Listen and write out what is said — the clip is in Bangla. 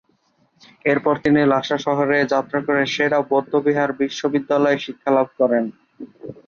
এরপর তিনি লাসা শহরে যাত্রা করে সে-রা বৌদ্ধবিহার বিশ্ববিদ্যালয়ে শিক্ষালাভ করেন।